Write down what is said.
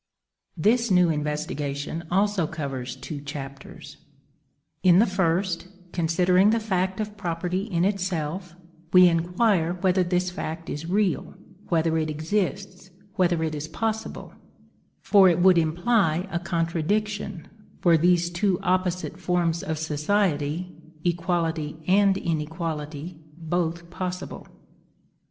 This new investigation also covers two chapters: in the first, considering the fact of property in itself, we inquire whether this fact is real, whether it exists, whether it is possible; for it would imply a contradiction, were these two opposite forms of society, equality and inequality, both possible.